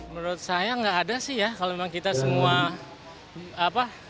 menurut saya nggak ada sih ya kalau memang kita semua apa